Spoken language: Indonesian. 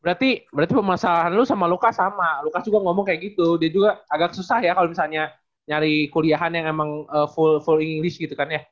berarti berarti pemasaran lu sama lukas sama lukas juga ngomong kayak gitu dia juga agak susah ya kalo misalnya nyari kuliahan yang emang full english gitu kan ya